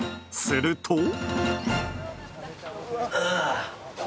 すると。